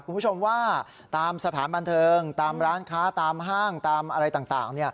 คุณผู้ชมว่าตามสถานบันเทิงตามร้านค้าตามห้างตามอะไรต่าง